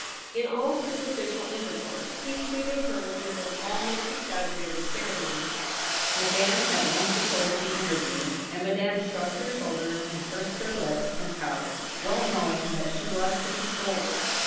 In all superficial intercourse he treated her with an almost exaggerated ceremony. Madame at once accorded the interview, and Madame shrugged her shoulders and pursed her lips and pouted, well knowing that she was to be scolded.